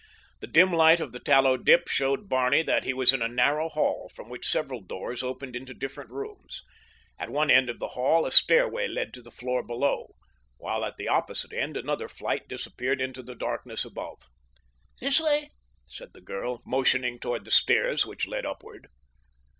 The dim light of the tallow dip showed Barney that he was in a narrow hall from which several doors opened into different rooms. At one end of the hall a stairway led to the floor below, while at the opposite end another flight disappeared into the darkness above. "This way," said the girl, motioning toward the stairs that led upward.